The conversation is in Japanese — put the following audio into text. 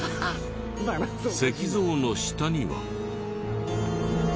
石像の下には。